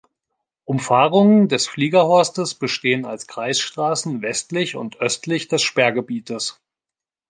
Umfahrungen des Fliegerhorstes bestehen als Kreisstraßen westlich und östlich des Sperrgebietes.